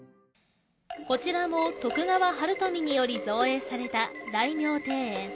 こちらも徳川治宝により造営された大名庭園。